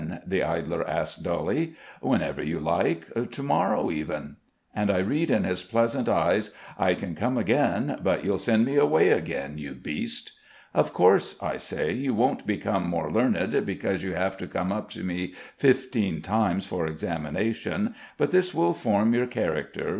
the idler asks, dully. "Whenever you like. To morrow, even." And I read in his pleasant eyes. "I can come again; but you'll send me away again, you beast." "Of course," I say, "you won't become more learned because you have to come up to me fifteen times for examination; but this will form your character.